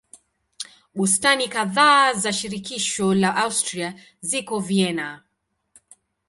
Bustani kadhaa za shirikisho la Austria ziko Vienna.